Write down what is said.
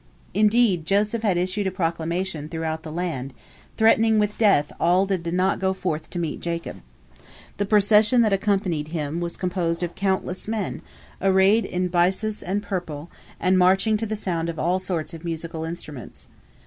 Indeed, Joseph had issued a proclamation throughout the land, threatening with death all that did not go forth to meet Jacob. The procession that accompanied him was composed of countless men, arrayed in byssus and purple, and marching to the sound of all sorts of musical instruments.